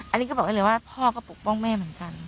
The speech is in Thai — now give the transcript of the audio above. อันนี้ก็บอกได้เลยว่าพ่อก็ปกป้องแม่เหมือนกัน